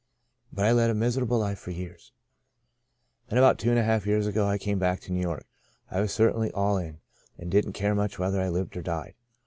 But I led a miserable life for years. Then about two and a half years ago I came back to New York. I was cer tainly all in, and didn't care much whether I lived or died.